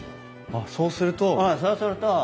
あっそうすると。